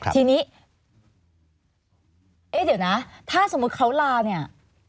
ทีนี้เอ๊ะเดี๋ยวนะถ้าสมมุติเขาลาเนี่ย